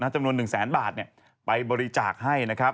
จำนวน๑แสนบาทไปบริจาคให้นะครับ